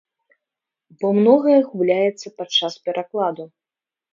Бо многае губляецца падчас перакладу.